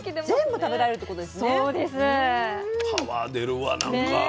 パワー出るわなんか。ね。